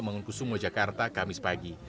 mengungkusungu jakarta kamis pagi